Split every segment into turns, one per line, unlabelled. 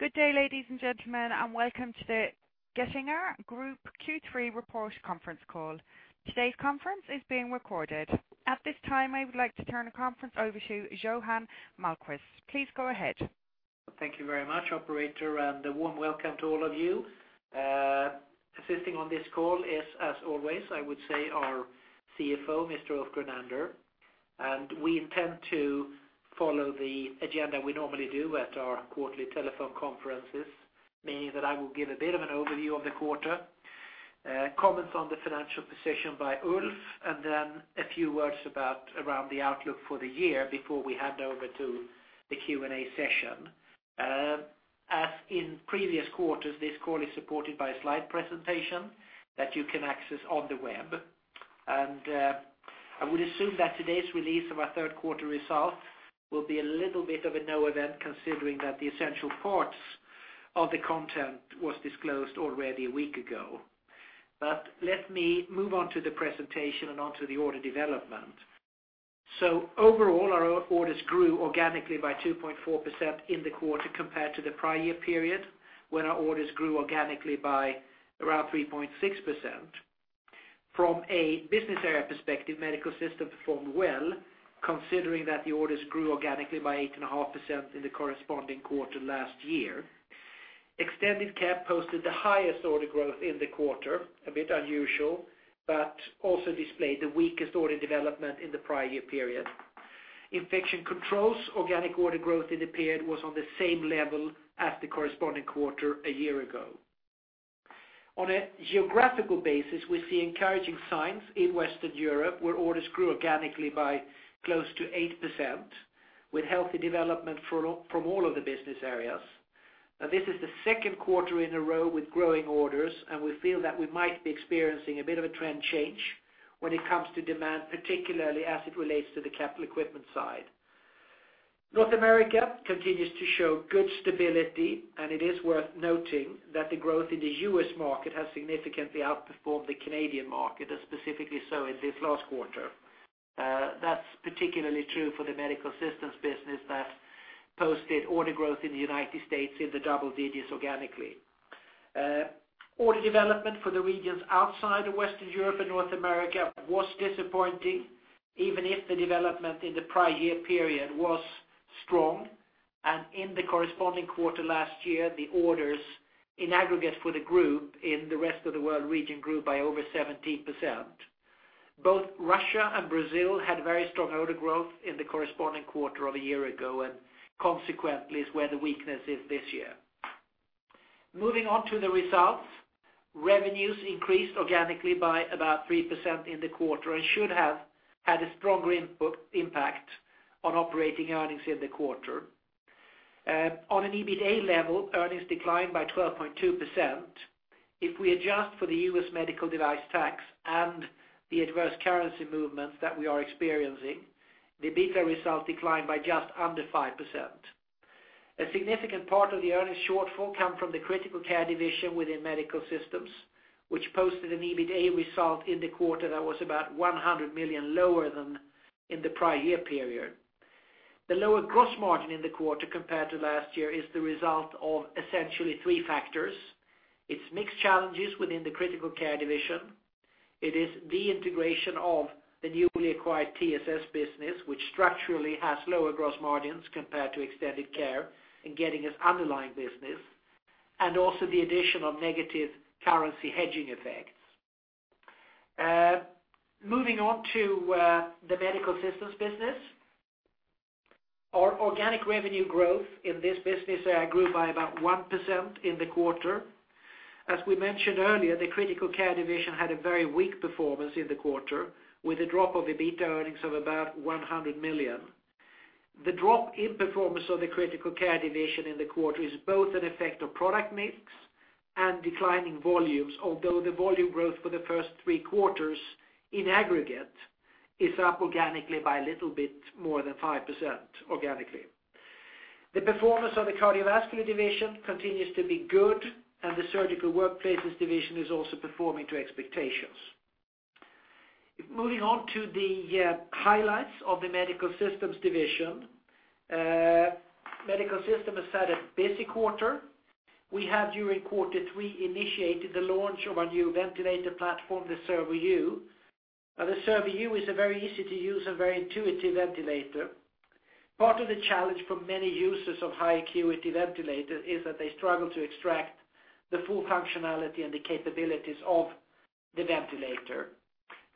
Good day, ladies and gentlemen, and welcome to the Getinge Group Q3 report conference call. Today's conference is being recorded. At this time, I would like to turn the conference over to Johan Malmquist. Please go ahead.
Thank you very much, operator, and a warm welcome to all of you. Assisting on this call is, as always, I would say, our CFO, Mr. Ulf Grunander, and we intend to follow the agenda we normally do at our quarterly telephone conferences, meaning that I will give a bit of an overview of the quarter, comments on the financial position by Ulf, and then a few words about, around the outlook for the year before we hand over to the Q&A session. As in previous quarters, this call is supported by a slide presentation that you can access on the web. I would assume that today's release of our third quarter results will be a little bit of a no event, considering that the essential parts of the content was disclosed already a week ago. But let me move on to the presentation and onto the order development. Overall, our orders grew organically by 2.4% in the quarter, compared to the prior year period, when our orders grew organically by around 3.6%. From a business area perspective, Medical Systems performed well, considering that the orders grew organically by 8.5% in the corresponding quarter last year. Extended Care posted the highest order growth in the quarter, a bit unusual, but also displayed the weakest order development in the prior year period. Infection Control's organic order growth in the period was on the same level as the corresponding quarter a year ago. On a geographical basis, we see encouraging signs in Western Europe, where orders grew organically by close to 8%, with healthy development from all of the business areas. Now, this is the second quarter in a row with growing orders, and we feel that we might be experiencing a bit of a trend change when it comes to demand, particularly as it relates to the capital equipment side. North America continues to show good stability, and it is worth noting that the growth in the U.S. market has significantly outperformed the Canadian market, and specifically so in this last quarter. That's particularly true for the Medical Systems business that posted order growth in the United States in the double digits organically. Order development for the regions outside of Western Europe and North America was disappointing, even if the development in the prior year period was strong. And in the corresponding quarter last year, the orders in aggregate for the group in the rest of the world region grew by over 17%. Both Russia and Brazil had very strong order growth in the corresponding quarter of a year ago, and consequently, is where the weakness is this year. Moving on to the results. Revenues increased organically by about 3% in the quarter and should have had a stronger input-impact on operating earnings in the quarter. On an EBITA level, earnings declined by 12.2%. If we adjust for the U.S. medical device tax and the adverse currency movements that we are experiencing, the EBITA results declined by just under 5%. A significant part of the earnings shortfall come from the critical care division within Medical Systems, which posted an EBITA result in the quarter that was about 100 million lower than in the prior year period. The lower gross margin in the quarter compared to last year is the result of essentially three factors. It's mixed challenges within the critical care division. It is the integration of the newly acquired TSS business, which structurally has lower gross margins compared to extended care in Getinge's underlying business, and also the addition of negative currency hedging effects. Moving on to the Medical Systems business. Our organic revenue growth in this business grew by about 1% in the quarter. As we mentioned earlier, the critical care division had a very weak performance in the quarter, with a drop of EBITA earnings of about 100 million. The drop in performance of the critical care division in the quarter is both an effect of product mix and declining volumes, although the volume growth for the first three quarters in aggregate is up organically by a little bit more than 5%, organically. The performance of the cardiovascular division continues to be good, and the surgical workplaces division is also performing to expectations. Moving on to the highlights of the Medical Systems Division. Medical Systems has had a busy quarter. We have, during quarter three, initiated the launch of our new ventilator platform, the Servo-u. Now, the Servo-u is a very easy to use and very intuitive ventilator. Part of the challenge for many users of high acuity ventilator is that they struggle to extract the full functionality and the capabilities of the ventilator.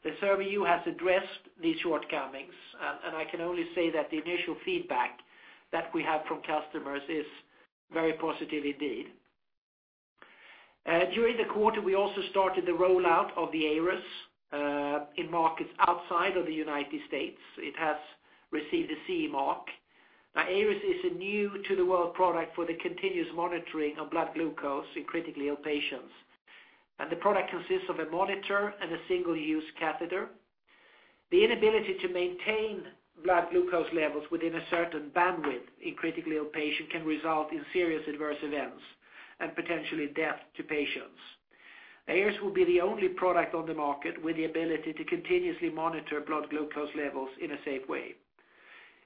The Servo-u has addressed these shortcomings, and I can only say that the initial feedback that we have from customers is very positive indeed. During the quarter, we also started the rollout of the EIRUS in markets outside of the United States. It has received a CE mark. Now, EIRUS is a new-to-the-world product for the continuous monitoring of blood glucose in critically ill patients, and the product consists of a monitor and a single-use catheter. The inability to maintain blood glucose levels within a certain bandwidth in critically ill patients can result in serious adverse events and potentially death to patients....EIRUS will be the only product on the market with the ability to continuously monitor blood glucose levels in a safe way.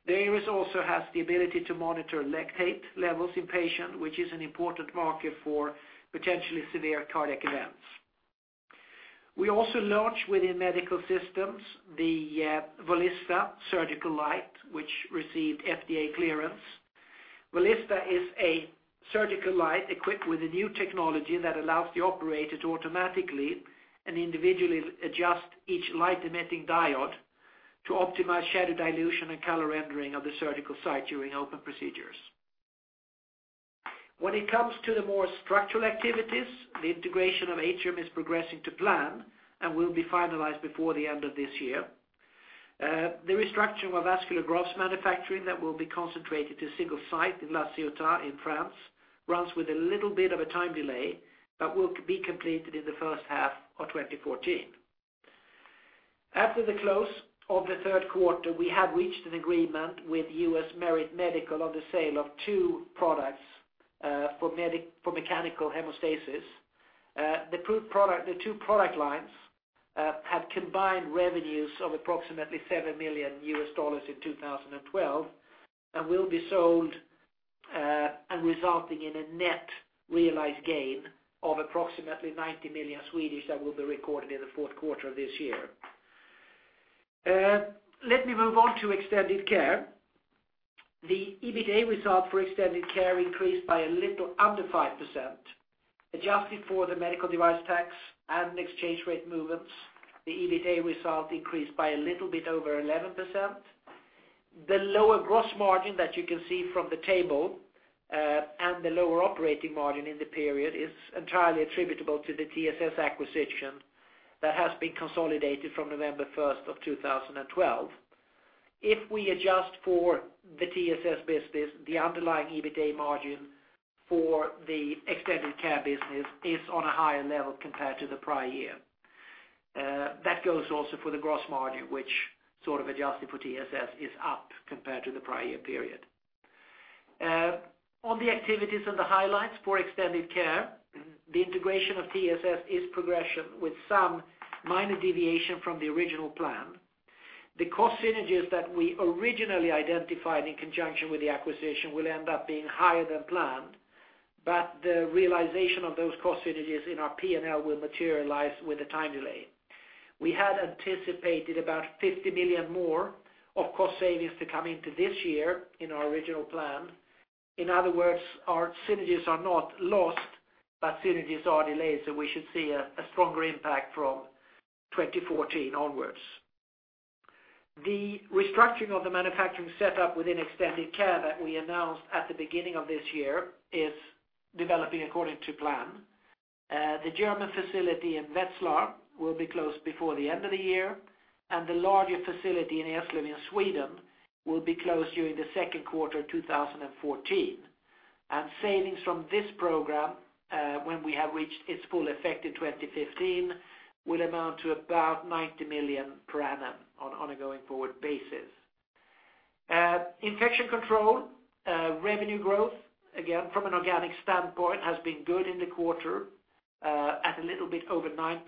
The EIRUS also has the ability to monitor lactate levels in patient, which is an important marker for potentially severe cardiac events. We also launched within Medical Systems, the Volista surgical light, which received FDA clearance. Volista is a surgical light equipped with a new technology that allows the operator to automatically and individually adjust each light-emitting diode to optimize shadow dilution and color rendering of the surgical site during open procedures. When it comes to the more structural activities, the integration of Atrium is progressing to plan and will be finalized before the end of this year. The restructuring of vascular grafts manufacturing that will be concentrated to a single site in La Ciotat in France runs with a little bit of a time delay, but will be completed in the first half of 2014. After the close of the third quarter, we have reached an agreement with U.S. Merit Medical on the sale of two products for mechanical hemostasis. The two product lines have combined revenues of approximately $7 million in 2012, and will be sold, resulting in a net realized gain of approximately 90 million, that will be recorded in the fourth quarter of this year. Let me move on to Extended Care. The EBITA result for Extended Care increased by a little under 5%, adjusted for the medical device tax and exchange rate movements, the EBITA result increased by a little bit over 11%. The lower gross margin that you can see from the table, and the lower operating margin in the period, is entirely attributable to the TSS acquisition that has been consolidated from November 1, 2012. If we adjust for the TSS business, the underlying EBITA margin for the Extended Care business is on a higher level compared to the prior year. That goes also for the gross margin, which sort of adjusted for TSS, is up compared to the prior year period. On the activities and the highlights for Extended Care, the integration of TSS is progressing with some minor deviation from the original plan. The cost synergies that we originally identified in conjunction with the acquisition will end up being higher than planned, but the realization of those cost synergies in our P&L will materialize with a time delay. We had anticipated about 50 million more of cost savings to come into this year in our original plan. In other words, our synergies are not lost, but synergies are delayed, so we should see a stronger impact from 2014 onwards. The restructuring of the manufacturing setup within Extended Care that we announced at the beginning of this year is developing according to plan. The German facility in Wetzlar will be closed before the end of the year, and the larger facility in Eslöv, in Sweden, will be closed during the second quarter of 2014. Savings from this program, when we have reached its full effect in 2015, will amount to about 90 million per annum on a going-forward basis. Infection Control revenue growth, again, from an organic standpoint, has been good in the quarter, at a little bit over 9%.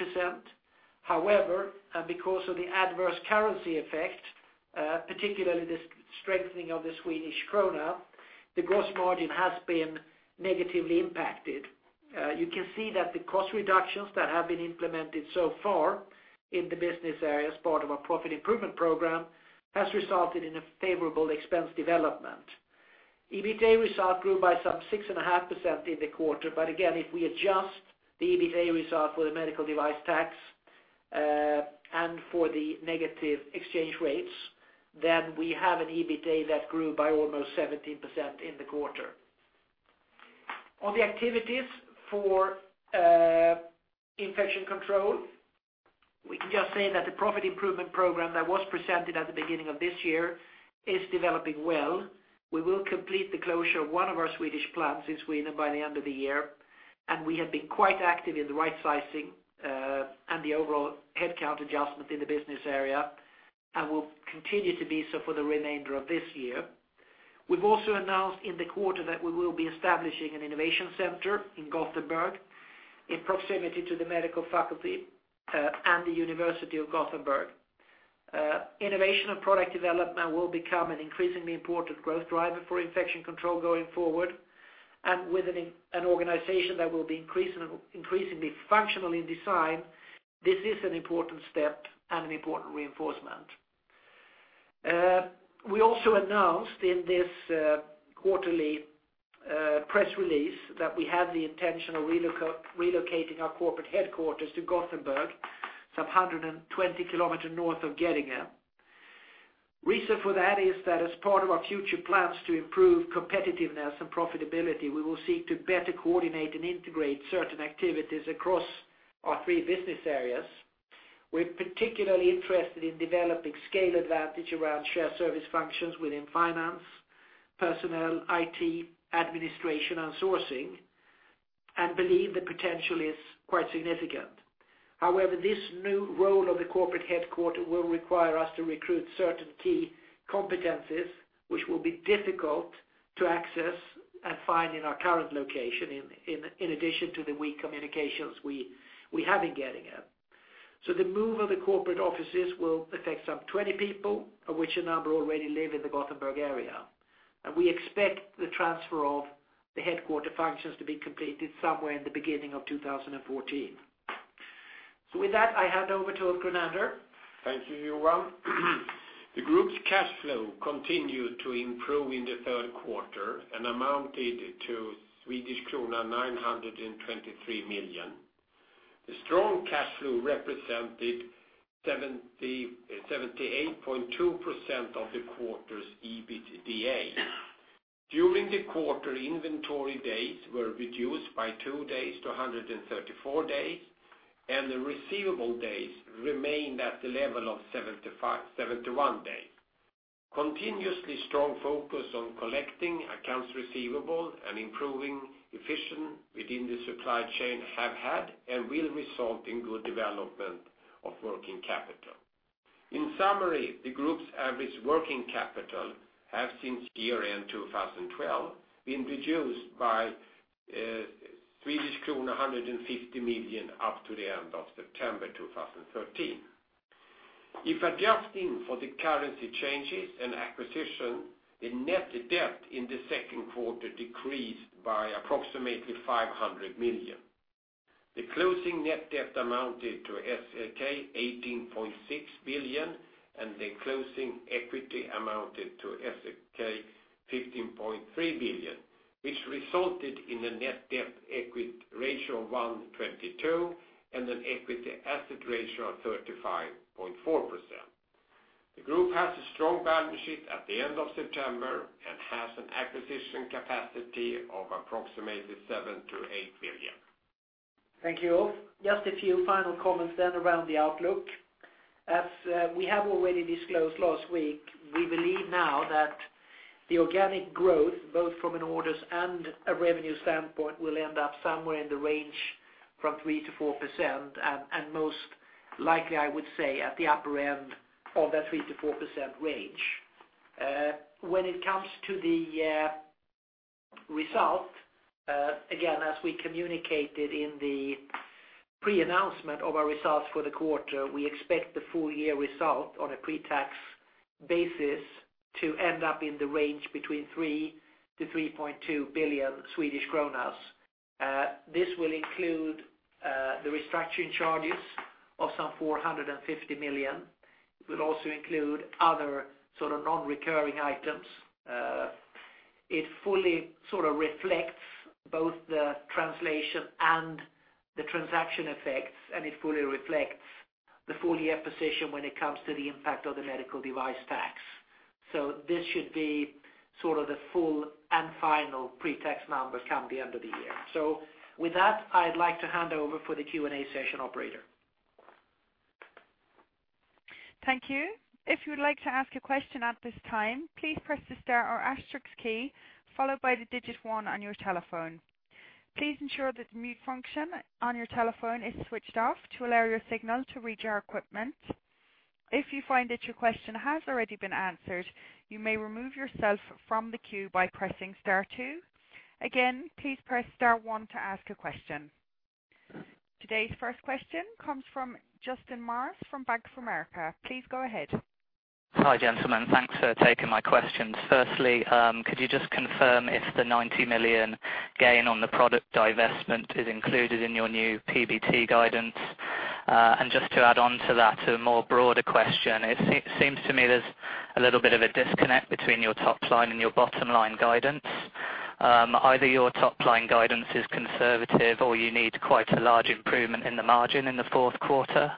However, because of the adverse currency effect, particularly the strengthening of the Swedish krona, the gross margin has been negatively impacted. You can see that the cost reductions that have been implemented so far in the business area, as part of our profit improvement program, has resulted in a favorable expense development. EBITA result grew by some 6.5% in the quarter, but again, if we adjust the EBITA result for the medical device tax, and for the negative exchange rates, then we have an EBITA that grew by almost 17% in the quarter. On the activities for Infection Control, we can just say that the profit improvement program that was presented at the beginning of this year is developing well. We will complete the closure of one of our Swedish plants in Sweden by the end of the year, and we have been quite active in the right sizing, and the overall headcount adjustment in the business area, and will continue to be so for the remainder of this year. We've also announced in the quarter that we will be establishing an innovation center in Gothenburg, in proximity to the medical faculty, and the University of Gothenburg. Innovation and product development will become an increasingly important growth driver for Infection Control going forward, and with an organization that will be increasingly functional in design, this is an important step and an important reinforcement. We also announced in this quarterly press release that we have the intention of relocating our corporate headquarters to Gothenburg, some 120 kilometers north of Getinge. Reason for that is that as part of our future plans to improve competitiveness and profitability, we will seek to better coordinate and integrate certain activities across our three business areas. We're particularly interested in developing scale advantage around shared service functions within finance, personnel, IT, administration, and sourcing, and believe the potential is quite significant. However, this new role of the corporate headquarters will require us to recruit certain key competencies, which will be difficult to access and find in our current location, in addition to the weak communications we have been getting at. So the move of the corporate offices will affect some 20 people, of which a number already live in the Gothenburg area. We expect the transfer of the headquarters functions to be completed somewhere in the beginning of 2014. So with that, I hand over to Ulf Grunander.
Thank you, Johan. The group's cash flow continued to improve in the third quarter and amounted to Swedish krona 923 million. The strong cash flow represented 78.2% of the quarter's EBITA. During the quarter, inventory days were reduced by 2 days to 134 days, and the receivable days remained at the level of 71 days. Continuously strong focus on collecting accounts receivable and improving efficiency within the supply chain have had and will result in good development of working capital. In summary, the group's average working capital has, since year-end 2012, been reduced by Swedish krona 150 million up to the end of September 2013. If adjusting for the currency changes and acquisition, the net debt in the second quarter decreased by approximately 500 million. The closing net debt amounted to 18.6 billion, and the closing equity amounted to 15.3 billion, which resulted in a net debt equity ratio of 1.22, and an equity asset ratio of 35.4%. The group has a strong balance sheet at the end of September and has an acquisition capacity of approximately 7-8 billion.
Thank you, Ulf. Just a few final comments then around the outlook. As we have already disclosed last week, we believe now that the organic growth, both from an orders and a revenue standpoint, will end up somewhere in the range from 3%-4%, and most likely, I would say, at the upper end of that 3%-4% range. When it comes to the result, again, as we communicated in the pre-announcement of our results for the quarter, we expect the full year result on a pre-tax basis to end up in the range between 3 billion-3.2 billion Swedish kronor. This will include the restructuring charges of some 450 million. It will also include other sort of non-recurring items. It fully sort of reflects both the translation and the transaction effects, and it fully reflects the full year position when it comes to the impact of the Medical device tax. So this should be sort of the full and final pre-tax numbers come the end of the year. So with that, I'd like to hand over for the Q&A session operator.
Thank you. If you would like to ask a question at this time, please press the * or asterisk key, followed by the digit one on your telephone. Please ensure that the mute function on your telephone is switched off to allow your signal to reach our equipment. If you find that your question has already been answered, you may remove yourself from the queue by pressing * two. Again, please press * one to ask a question. Today's first question comes from Justin Mars from Bank of America. Please go ahead.
Hi, gentlemen. Thanks for taking my questions. Firstly, could you just confirm if the 90 million gain on the product divestment is included in your new PBT guidance? And just to add on to that, to a more broader question, it seems to me there's a little bit of a disconnect between your top line and your bottom line guidance. Either your top line guidance is conservative, or you need quite a large improvement in the margin in the fourth quarter.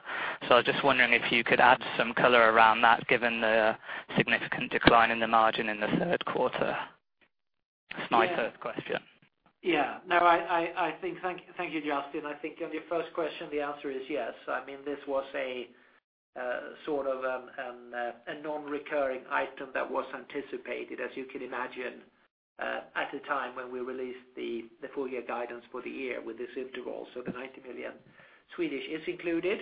So I was just wondering if you could add some color around that, given the significant decline in the margin in the third quarter. That's my first question. Yeah. No, I think -- thank you, Justin. I think on your first question, the answer is yes. I mean, this was a sort of an a non-recurring item that was anticipated, as you can imagine, at the time when we released the full year guidance for the year with this interval. So the 90 million is included.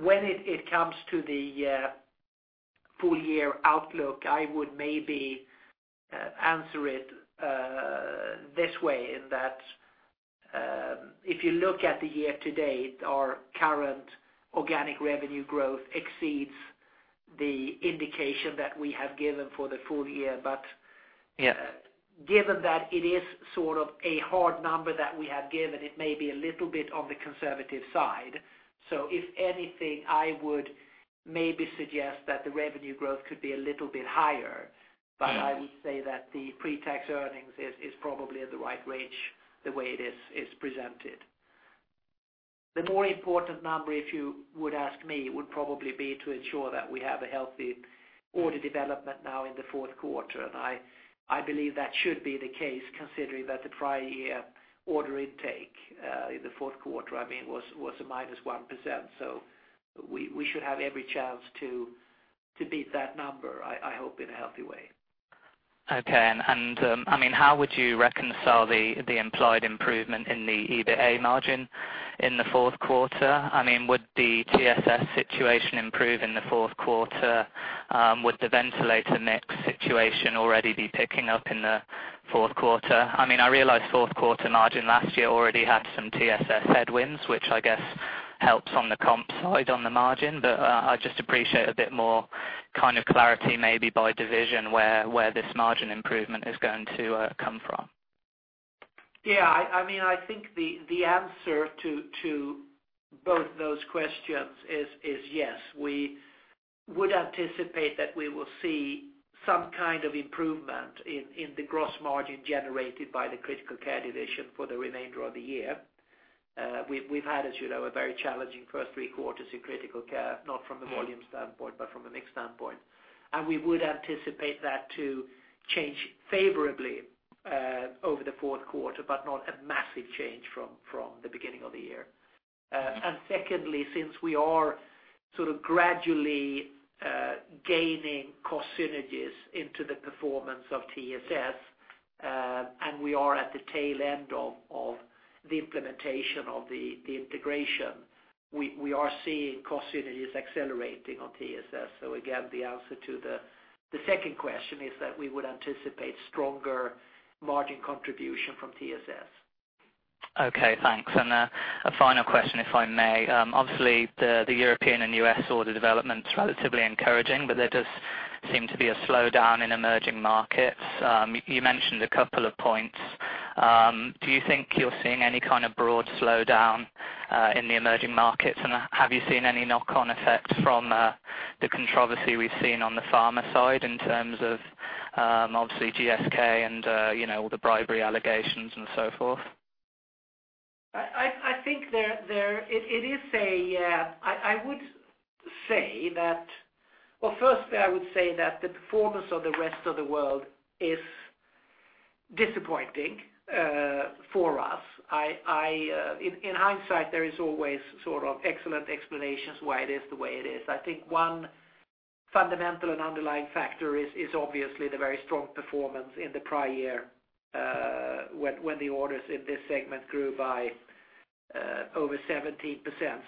When it comes to the full year outlook, I would maybe answer it this way, in that, if you look at the year to date, our current organic revenue growth exceeds the indication that we have given for the full year. But, yeah, given that it is sort of a hard number that we have given, it may be a little bit on the conservative side. If anything, I would maybe suggest that the revenue growth could be a little bit higher. Mm-hmm.
But I would say that the pre-tax earnings is probably in the right range, the way it is presented. The more important number, if you would ask me, would probably be to ensure that we have a healthy order development now in the fourth quarter. And I believe that should be the case, considering that the prior year order intake in the fourth quarter, I mean, was a -1%. So we should have every chance to beat that number, I hope, in a healthy way. ...
Okay, I mean, how would you reconcile the implied improvement in the EBITA margin in the fourth quarter? I mean, would the TSS situation improve in the fourth quarter? Would the ventilator mix situation already be picking up in the fourth quarter? I mean, I realize fourth quarter margin last year already had some TSS headwinds, which I guess helps on the comp side, on the margin, but I'd just appreciate a bit more kind of clarity, maybe by division, where this margin improvement is going to come from.
Yeah, I mean, I think the answer to both those questions is yes. We would anticipate that we will see some kind of improvement in the gross margin generated by the critical care division for the remainder of the year. We've had, as you know, a very challenging first three quarters in critical care, not from a volume standpoint, but from a mix standpoint. And we would anticipate that to change favorably over the fourth quarter, but not a massive change from the beginning of the year. And secondly, since we are sort of gradually gaining cost synergies into the performance of TSS, and we are at the tail end of the implementation of the integration, we are seeing cost synergies accelerating on TSS. So again, the answer to the second question is that we would anticipate stronger margin contribution from TSS.
Okay, thanks. And a final question, if I may. Obviously, the European and US order development is relatively encouraging, but there does seem to be a slowdown in emerging markets. You mentioned a couple of points. Do you think you're seeing any kind of broad slowdown in the emerging markets? And have you seen any knock-on effect from the controversy we've seen on the pharma side in terms of obviously, GSK and you know, all the bribery allegations and so forth?
I think it is a, I would say that—well, firstly, I would say that the performance of the rest of the world is disappointing for us. In hindsight, there is always sort of excellent explanations why it is the way it is. I think one fundamental and underlying factor is obviously the very strong performance in the prior year, when the orders in this segment grew by over 17%,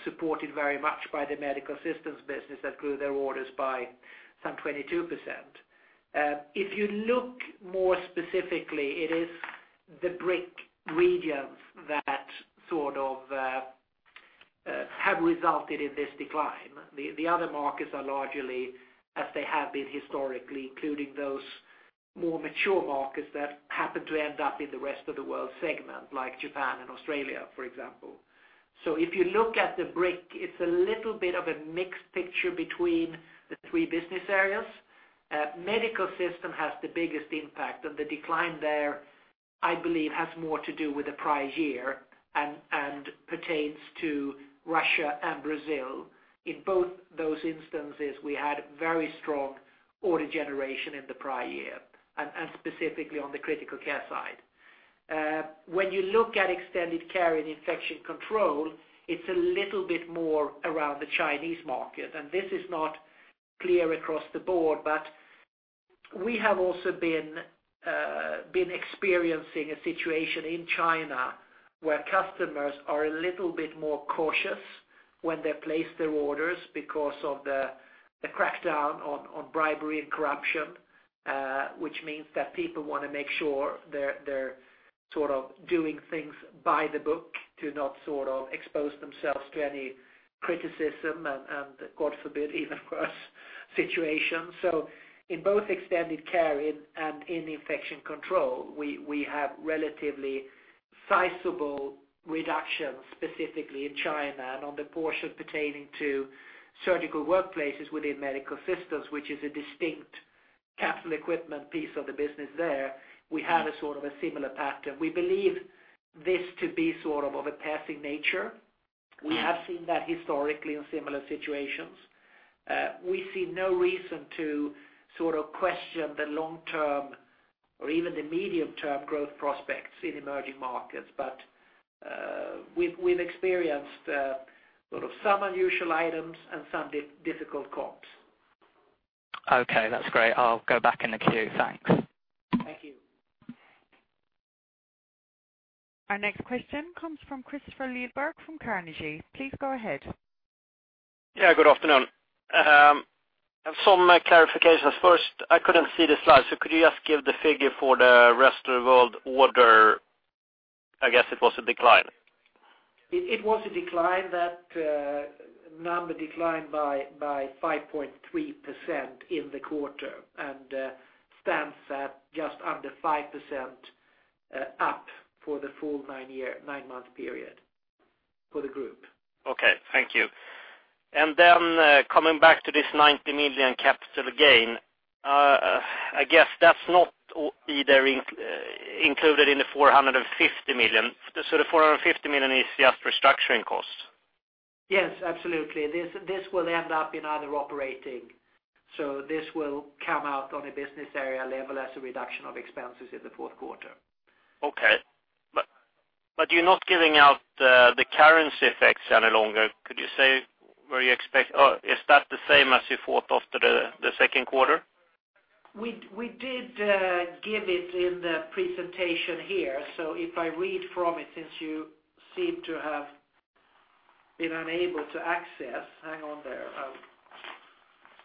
supported very much by the Medical Systems business that grew their orders by some 22%. If you look more specifically, it is the BRIC regions that sort of have resulted in this decline. The other markets are largely as they have been historically, including those more mature markets that happen to end up in the rest of the world segment, like Japan and Australia, for example. So if you look at the BRIC, it's a little bit of a mixed picture between the three business areas. Medical Systems has the biggest impact, and the decline there, I believe, has more to do with the prior year and pertains to Russia and Brazil. In both those instances, we had very strong order generation in the prior year, and specifically on the critical care side. When you look at Extended Care and Infection Control, it's a little bit more around the Chinese market, and this is not clear across the board. But we have also been experiencing a situation in China, where customers are a little bit more cautious when they place their orders because of the crackdown on bribery and corruption, which means that people want to make sure they're sort of doing things by the book to not sort of expose themselves to any criticism, and God forbid, even worse, situations. So in both Extended Care and in Infection Control, we have relatively sizable reductions, specifically in China. And on the portion pertaining to surgical workplaces within Medical Systems, which is a distinct capital equipment piece of the business there, we have a sort of a similar pattern. We believe this to be sort of a passing nature. We have seen that historically in similar situations. We see no reason to sort of question the long-term or even the medium-term growth prospects in emerging markets. But, we've experienced, sort of some unusual items and some difficult comps.
Okay, that's great. I'll go back in the queue. Thanks.
Thank you.
Our next question comes from Kristofer Liljeberg from Carnegie. Please go ahead.
Yeah, good afternoon. I have some clarifications. First, I couldn't see the slide, so could you just give the figure for the rest of the world order? I guess it was a decline.
It was a decline. That number declined by 5.3% in the quarter, and stands at just under 5% up for the full nine-month period for the group.
Okay, thank you. Then, coming back to this 90 million capital gain, I guess that's not either included in the 450 million. The 450 million is just restructuring costs?
Yes, absolutely. This, this will end up in other operating, so this will come out on a business area level as a reduction of expenses in the fourth quarter.
Okay.... But you're not giving out the currency effects any longer. Could you say where you expect, or is that the same as you thought after the second quarter?
We, we did give it in the presentation here. So if I read from it, since you seem to have been unable to access, hang on there,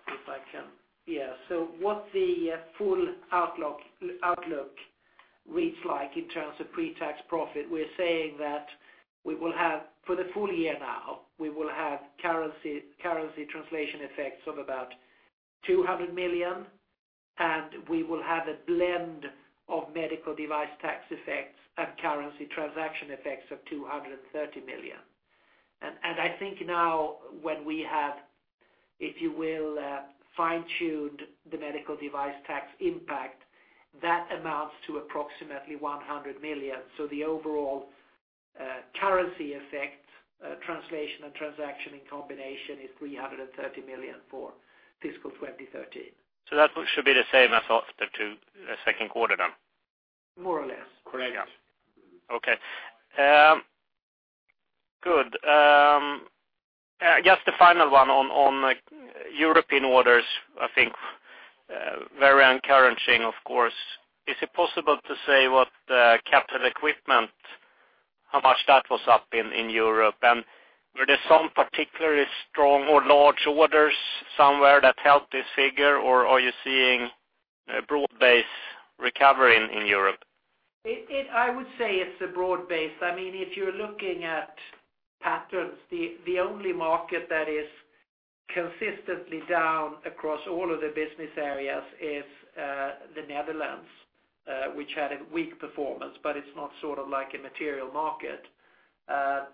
if I can. Yeah, so what the full outlook reads like in terms of pre-tax profit, we're saying that we will have, for the full year now, we will have currency, currency translation effects of about 200 million, and we will have a blend of medical device tax effects and currency transaction effects of 230 million. And, and I think now when we have, if you will, fine-tuned the medical device tax impact, that amounts to approximately 100 million. So the overall currency effect, translation and transaction in combination is 330 million for fiscal 2013.
So that should be the same as after the second quarter, then?
More or less, correct.
Yeah. Okay. Good. Just the final one on European orders, I think, very encouraging, of course. Is it possible to say what the capital equipment, how much that was up in Europe? And were there some particularly strong or large orders somewhere that helped this figure, or are you seeing a broad-based recovery in Europe?
It, I would say it's a broad base. I mean, if you're looking at patterns, the only market that is consistently down across all of the business areas is the Netherlands, which had a weak performance, but it's not sort of like a material market.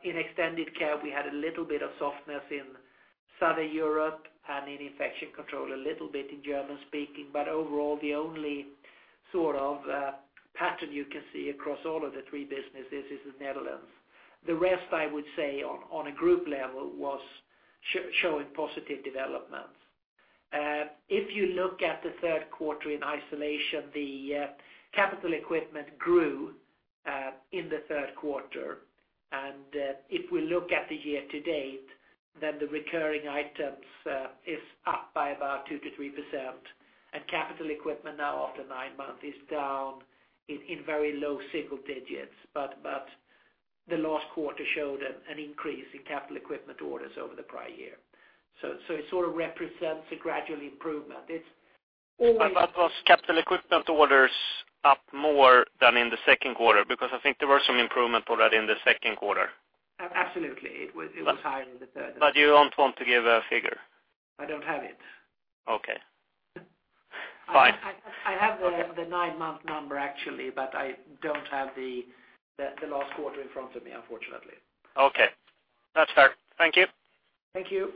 In Extended Care, we had a little bit of softness in Southern Europe and in Infection Control, a little bit in German-speaking, but overall, the only sort of pattern you can see across all of the three businesses is the Netherlands. The rest, I would say, on a group level, was showing positive developments. If you look at the third quarter in isolation, the capital equipment grew in the third quarter. If we look at the year to date, then the recurring items is up by about 2%-3%, and capital equipment now after nine months is down in very low single digits. But the last quarter showed an increase in capital equipment orders over the prior year. It sort of represents a gradual improvement. It's always-
Was capital equipment orders up more than in the second quarter? Because I think there were some improvement on that in the second quarter.
Absolutely. It was higher in the third.
But you don't want to give a figure?
I don't have it.
Okay. Fine.
I have the nine-month number, actually, but I don't have the last quarter in front of me, unfortunately.
Okay. That's fair. Thank you.
Thank you.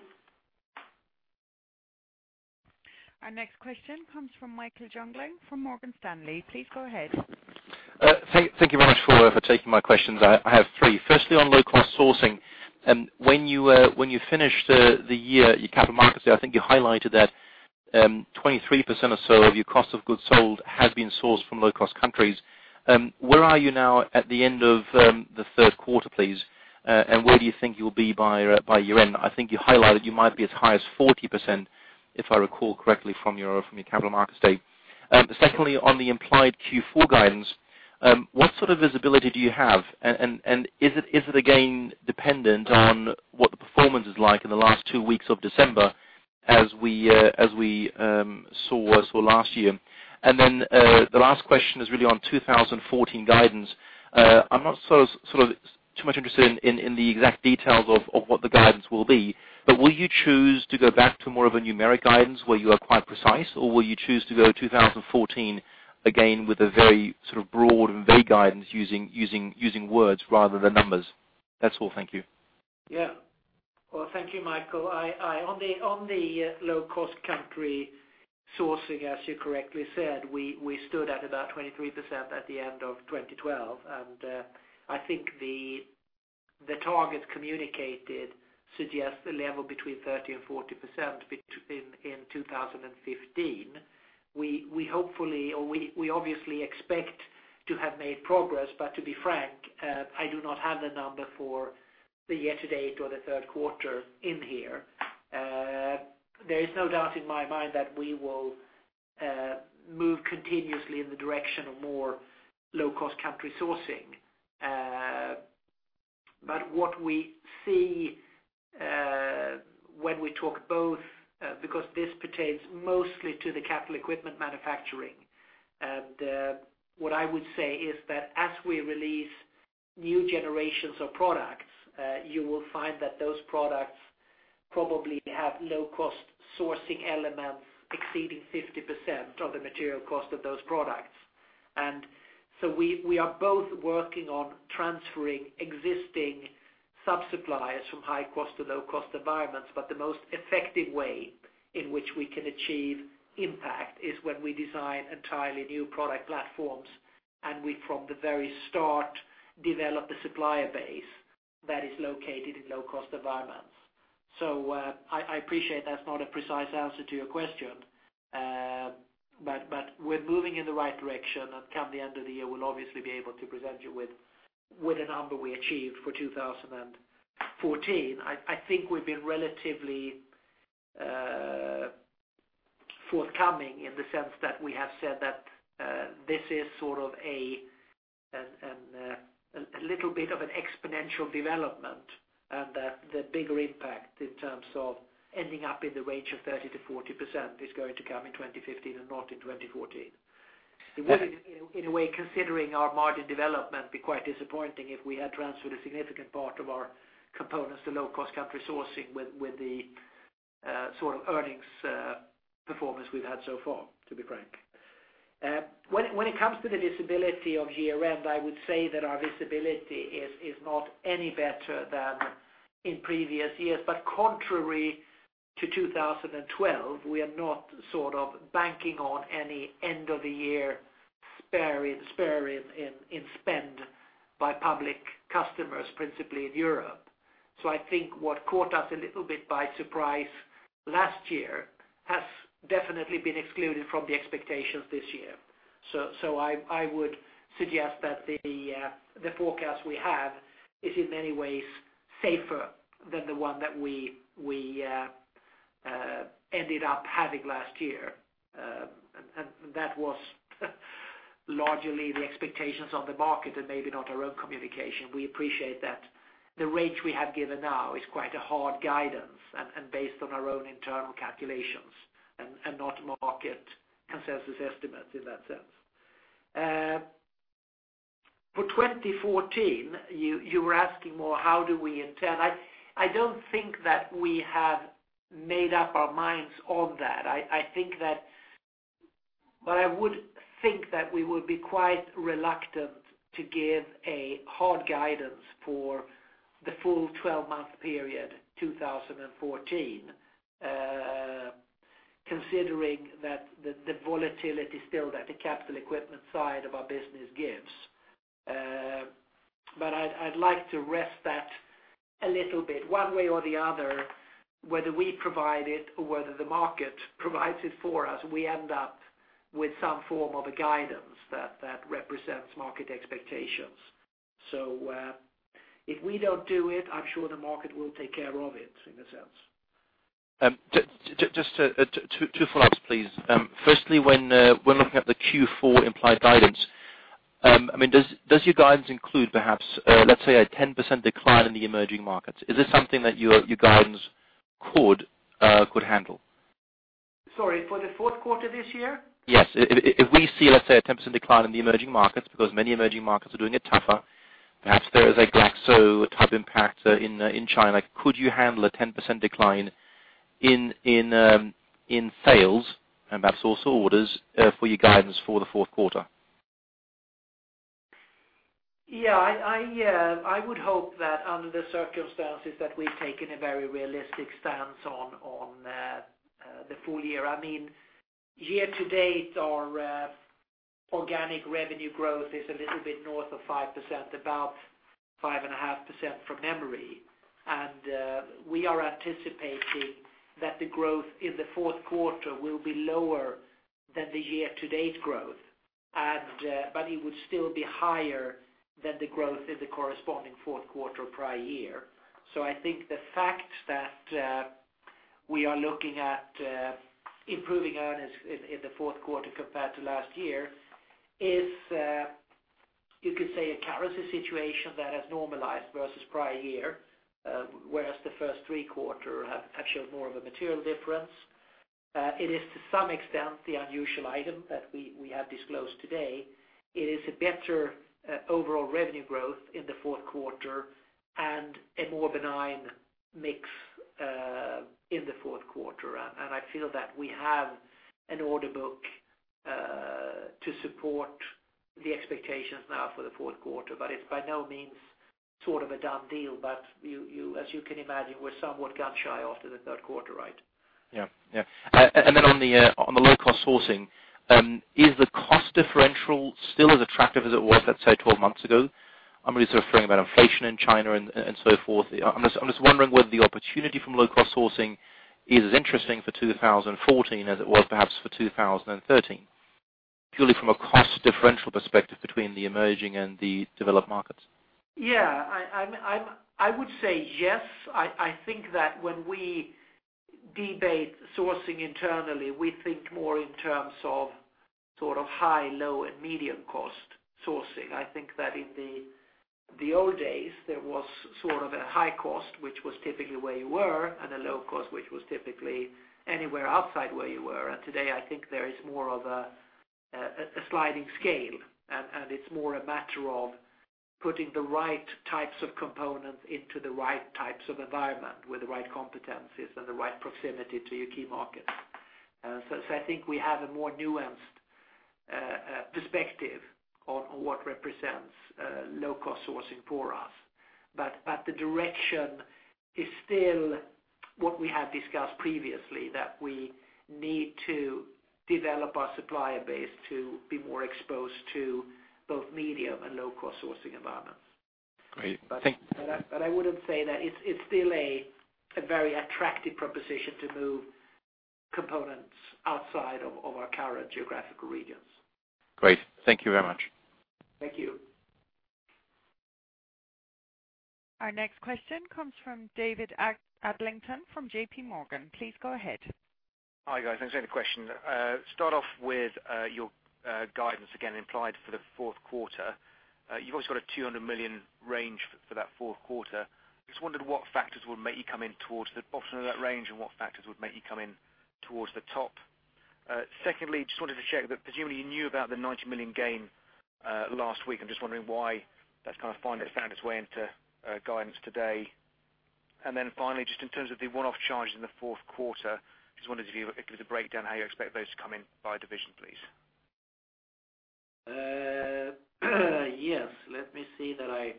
Our next question comes from Michael Jungling from Morgan Stanley. Please go ahead.
Thank you very much for taking my questions. I have three. Firstly, on low-cost sourcing, when you finished the year, your Capital Markets Day, I think you highlighted that 23% or so of your cost of goods sold had been sourced from low-cost countries. Where are you now at the end of the third quarter, please? And where do you think you'll be by year-end? I think you highlighted you might be as high as 40%, if I recall correctly, from your Capital Markets Day. Secondly, on the implied Q4 guidance, what sort of visibility do you have? And is it again dependent on what the performance is like in the last two weeks of December as we saw last year? The last question is really on 2014 guidance. I'm not so, sort of, too much interested in the exact details of what the guidance will be, but will you choose to go back to more of a numeric guidance where you are quite precise, or will you choose to go 2014, again, with a very sort of broad and vague guidance using words rather than numbers? That's all. Thank you.
Yeah. Well, thank you, Michael. I on the low-cost country sourcing, as you correctly said, we stood at about 23% at the end of 2012. And I think the target communicated suggests a level between 30% and 40% in 2015. We hopefully, or we obviously expect to have made progress, but to be frank, I do not have the number for the year to date or the third quarter in here. There is no doubt in my mind that we will move continuously in the direction of more low-cost country sourcing. But what we see, when we talk both, because this pertains mostly to the capital equipment manufacturing, and, what I would say is that as we release new generations of products, you will find that those products probably have low-cost sourcing elements exceeding 50% of the material cost of those products. And so we, we are both working on transferring existing sub-suppliers from high-cost to low-cost environments, but the most effective way in which we can achieve impact is when we design entirely new product platforms, and we, from the very start, develop the supplier base that is located in low-cost environments. So, I, I appreciate that's not a precise answer to your question. But we're moving in the right direction, and come the end of the year, we'll obviously be able to present you with a number we achieved for 2014. I think we've been relatively forthcoming in the sense that we have said that this is sort of a little bit of an exponential development, and that the bigger impact in terms of ending up in the range of 30%-40% is going to come in 2015 and not in 2014. It would, in a way, considering our margin development, be quite disappointing if we had transferred a significant part of our components to low-cost country sourcing with the sort of earnings performance we've had so far, to be frank. When it comes to the visibility of year-end, I would say that our visibility is not any better than in previous years. But contrary to 2012, we are not sort of banking on any end-of-the-year spare in spend by public customers, principally in Europe. So I think what caught us a little bit by surprise last year has definitely been excluded from the expectations this year. So I would suggest that the forecast we have is in many ways safer than the one that we ended up having last year. And that was largely the expectations on the market and maybe not our own communication. We appreciate that the range we have given now is quite a hard guidance and based on our own internal calculations and not market consensus estimates in that sense. For 2014, you were asking more, how do we intend? I don't think that we have made up our minds on that. I think that but I would think that we would be quite reluctant to give a hard guidance for the full 12-month period, 2014, considering that the volatility still that the capital equipment side of our business gives. But I'd like to rest that a little bit. One way or the other, whether we provide it or whether the market provides it for us, we end up with some form of a guidance that represents market expectations. So, if we don't do it, I'm sure the market will take care of it in a sense.
Just two follow-ups, please. First, when looking at the Q4 implied guidance, I mean, does your guidance include perhaps, let's say, a 10% decline in the emerging markets? Is this something that your guidance could handle?
Sorry, for the fourth quarter this year?
Yes. If we see, let's say, a 10% decline in the emerging markets, because many emerging markets are doing it tougher, perhaps there is a Glaxo-type impact in China. Could you handle a 10% decline in sales, and perhaps also orders, for your guidance for the fourth quarter?
Yeah, I would hope that under the circumstances, that we've taken a very realistic stance on the full year. I mean, year to date, our organic revenue growth is a little bit north of 5%, about 5.5% from memory. And we are anticipating that the growth in the fourth quarter will be lower than the year-to-date growth, and but it would still be higher than the growth in the corresponding fourth quarter prior year. So I think the fact that we are looking at improving earnings in the fourth quarter compared to last year is, you could say, a currency situation that has normalized versus prior year, whereas the first three quarter have actually more of a material difference. It is to some extent, the unusual item that we have disclosed today. It is a better, overall revenue growth in the fourth quarter and a more benign mix, in the fourth quarter. And I feel that we have an order book, to support the expectations now for the fourth quarter, but it's by no means sort of a done deal. But you, as you can imagine, we're somewhat gun-shy after the third quarter, right?
Yeah. Yeah. And then on the low-cost sourcing, is the cost differential still as attractive as it was, let's say, 12 months ago? I mean, just referring about inflation in China and so forth. I'm just wondering whether the opportunity from low-cost sourcing is as interesting for 2014 as it was perhaps for 2013, purely from a cost differential perspective between the emerging and the developed markets.
Yeah, I would say yes. I think that when we debate sourcing internally, we think more in terms of sort of high, low, and medium cost sourcing. I think that in the old days, there was sort of a high cost, which was typically where you were, and a low cost, which was typically anywhere outside where you were. And today, I think there is more of a sliding scale, and it's more a matter of putting the right types of components into the right types of environment, with the right competencies and the right proximity to your key markets. So I think we have a more nuanced perspective on what represents low-cost sourcing for us. But the direction is still-... What we have discussed previously, that we need to develop our supplier base to be more exposed to both medium and low-cost sourcing environments.
Great. Thank-
But I wouldn't say that it's still a very attractive proposition to move components outside of our current geographical regions.
Great. Thank you very much.
Thank you.
Our next question comes from David Adlington from JPMorgan. Please go ahead.
Hi, guys. Thanks for the question. Start off with your guidance again, implied for the fourth quarter. You've always got a 200 million range for that fourth quarter. Just wondered what factors would make you come in towards the bottom of that range, and what factors would make you come in towards the top? Secondly, just wanted to check that presumably you knew about the 90 million gain last week. I'm just wondering why that's kind of finally found its way into guidance today. And then finally, just in terms of the one-off charges in the fourth quarter, just wondered if you give us a breakdown, how you expect those to come in by division, please.
Yes, let me see that I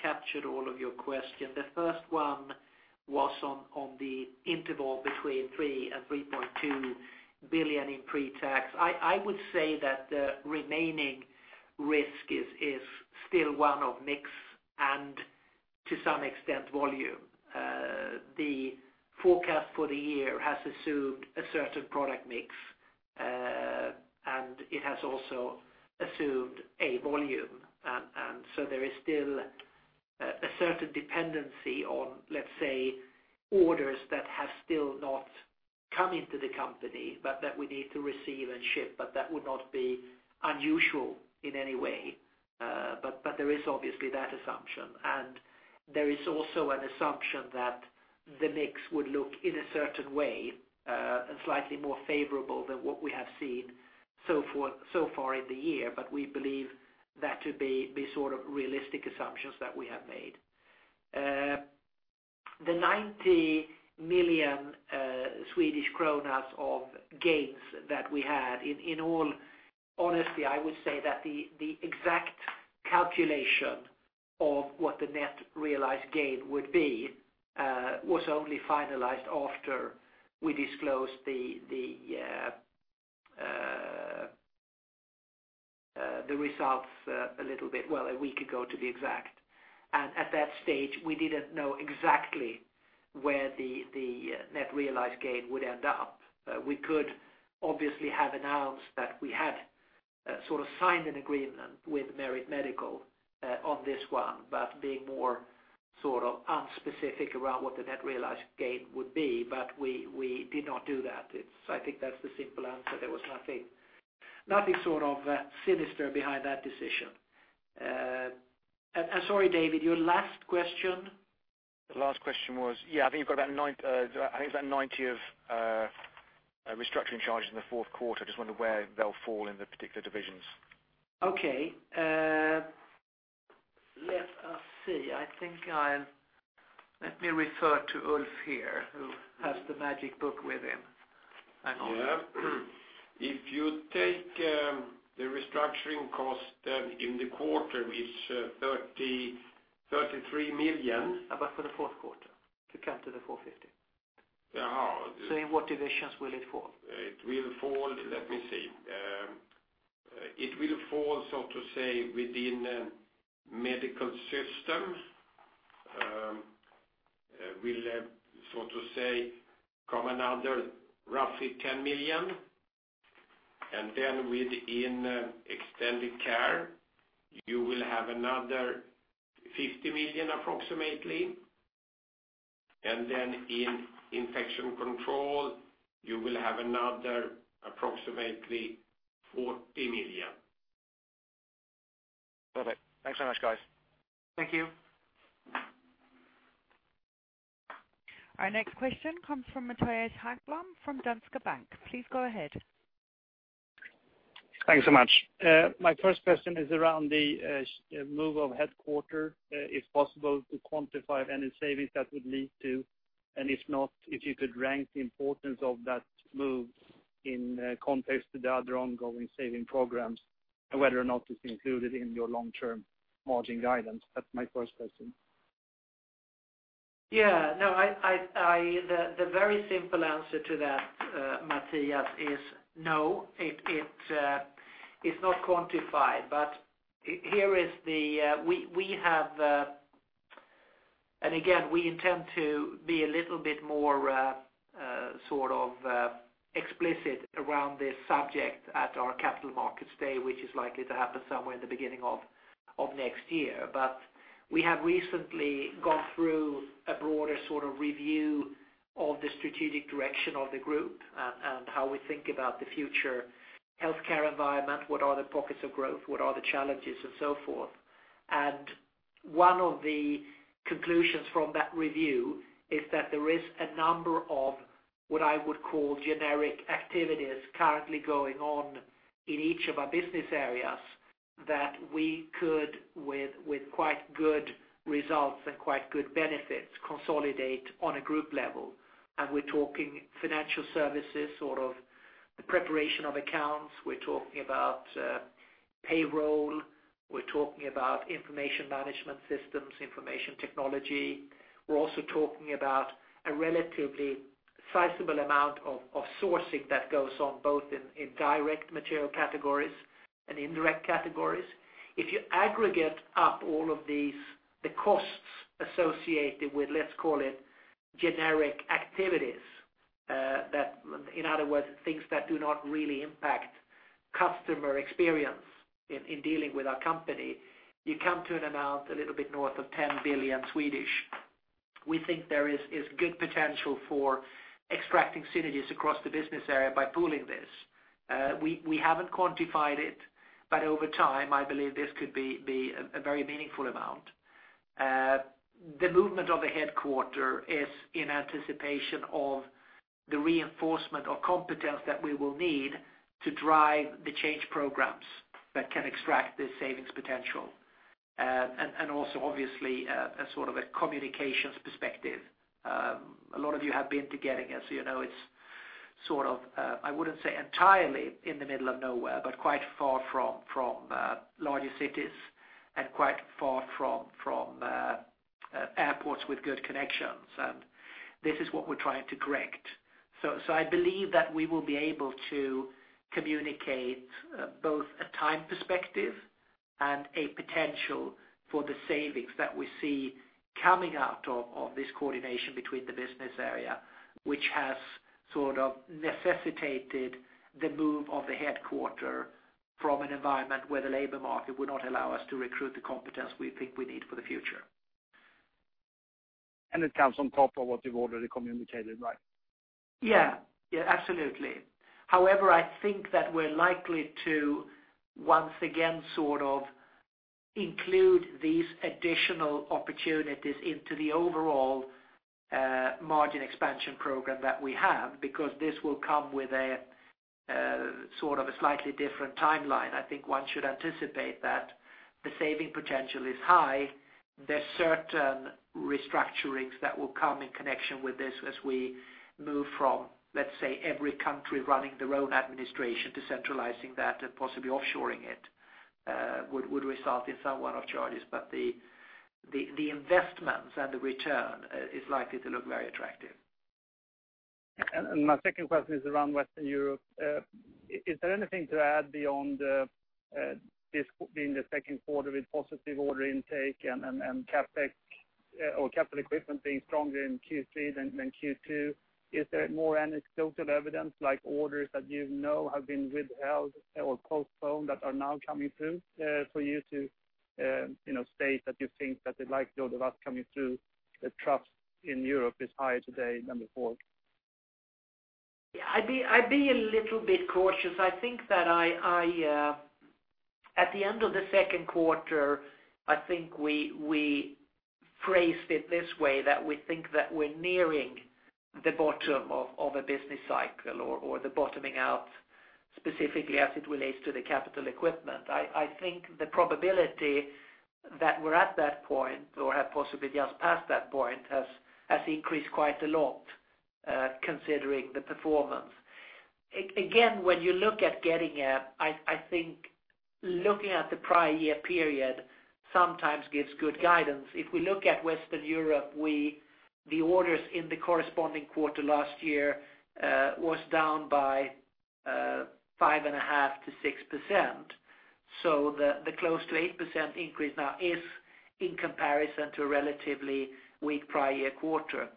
captured all of your questions. The first one was on the interval between 3 billion-3.2 billion in pre-tax. I would say that the remaining risk is still one of mix and, to some extent, volume. The forecast for the year has assumed a certain product mix, and it has also assumed a volume. So there is still a certain dependency on, let's say, orders that have still not come into the company, but that we need to receive and ship, but that would not be unusual in any way. But there is obviously that assumption, and there is also an assumption that the mix would look in a certain way, and slightly more favorable than what we have seen so far in the year, but we believe that to be sort of realistic assumptions that we have made. The SEK 90 million of gains that we had, in all honesty, I would say that the exact calculation of what the net realized gain would be was only finalized after we disclosed the results a little bit, well, a week ago, to be exact. At that stage, we didn't know exactly where the net realized gain would end up. We could obviously have announced that we had sort of signed an agreement with Merit Medical on this one, but being more sort of unspecific around what the net realized gain would be, but we did not do that. It's. I think that's the simple answer. There was nothing sort of sinister behind that decision. Sorry, David, your last question?
The last question was, yeah, I think you've got about 9, I think it was about 90 million of restructuring charges in the fourth quarter. Just wondered where they'll fall in the particular divisions.
Okay, let us see. I think I'll... Let me refer to Ulf here, who has the magic book with him. Hang on.
Yeah. If you take the restructuring cost in the quarter, it's 33 million.
But for the fourth quarter, to come to the 450.
Aha.
In what divisions will it fall?
It will fall, let me see. It will fall, so to say, within Medical Systems, will, so to say, come another SEK 10 million. Within Extended Care, you will have another 50 million, approximately. In Infection Control, you will have another approximately 40 million.
Perfect. Thanks so much, guys.
Thank you.
Our next question comes from Mattias Haggblom, from Danske Bank. Please go ahead.
Thanks so much. My first question is around the move of headquarters, if possible, to quantify any savings that would lead to, and if not, if you could rank the importance of that move in context to the other ongoing savings programs, and whether or not it's included in your long-term margin guidance. That's my first question.
Yeah. No, the very simple answer to that, Matthias, is no. It's not quantified, but here we have... And again, we intend to be a little bit more sort of explicit around this subject at our Capital Markets Day, which is likely to happen somewhere in the beginning of next year. But we have recently gone through a broader sort of review of the strategic direction of the group and how we think about the future healthcare environment, what are the pockets of growth, what are the challenges, and so forth. One of the conclusions from that review is that there is a number of, what I would call, generic activities currently going on in each of our business areas, that we could, with, with quite good results and quite good benefits, consolidate on a group level. We're talking financial services, sort of the preparation of accounts, we're talking about payroll, we're talking about information management systems, information technology. We're also talking about a relatively sizable amount of sourcing that goes on both in direct material categories and indirect categories. If you aggregate up all of these, the costs associated with, let's call it generic activities, that in other words, things that do not really impact customer experience in dealing with our company, you come to an amount a little bit north of 10 billion. We think there is good potential for extracting synergies across the business area by pooling this. We haven't quantified it, but over time, I believe this could be a very meaningful amount. The movement of the headquarters is in anticipation of the reinforcement of competence that we will need to drive the change programs that can extract this savings potential. And also obviously, a sort of a communications perspective. A lot of you have been to Getinge, as you know, it's sort of, I wouldn't say entirely in the middle of nowhere, but quite far from larger cities and quite far from airports with good connections, and this is what we're trying to correct. So, so I believe that we will be able to communicate both a time perspective and a potential for the savings that we see coming out of this coordination between the business area, which has sort of necessitated the move of the headquarters from an environment where the labor market would not allow us to recruit the competence we think we need for the future.
It comes on top of what you've already communicated, right?
Yeah. Yeah, absolutely. However, I think that we're likely to once again, sort of include these additional opportunities into the overall margin expansion program that we have, because this will come with a sort of a slightly different timeline. I think one should anticipate that the saving potential is high. There are certain restructurings that will come in connection with this as we move from, let's say, every country running their own administration to centralizing that and possibly offshoring it would result in some one-off charges. But the investments and the return is likely to look very attractive.
My second question is around Western Europe. Is there anything to add beyond this being the second quarter with positive order intake and CapEx, or capital equipment being stronger in Q3 than Q2? Is there more anecdotal evidence, like orders that you know have been withheld or postponed that are now coming through, for you to, you know, state that you think that the likelihood of us coming through the troughs in Europe is higher today than before?
Yeah, I'd be a little bit cautious. I think that at the end of the second quarter, I think we phrased it this way, that we think that we're nearing the bottom of a business cycle or the bottoming out, specifically as it relates to the capital equipment. I think the probability that we're at that point, or have possibly just passed that point, has increased quite a lot, considering the performance. Again, when you look at Getinge, I think looking at the prior year period sometimes gives good guidance. If we look at Western Europe, we, the orders in the corresponding quarter last year was down by 5.5%-6%. So the close to 8% increase now is in comparison to a relatively weak prior year quarter.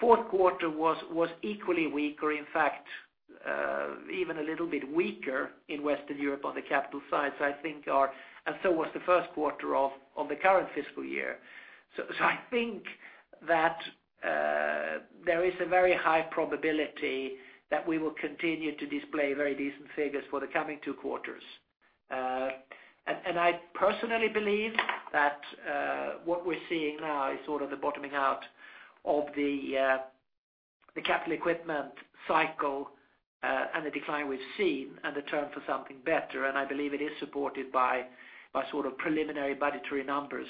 Fourth quarter was equally weak, or in fact, even a little bit weaker in Western Europe on the capital side. So I think and so was the first quarter of the current fiscal year. So I think that there is a very high probability that we will continue to display very decent figures for the coming two quarters. And I personally believe that what we're seeing now is sort of the bottoming out of the capital equipment cycle and the decline we've seen and the turn for something better. And I believe it is supported by sort of preliminary budgetary numbers